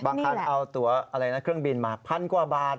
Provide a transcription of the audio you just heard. บางทีเอาตัวเครื่องบินมาพันกว่าบาท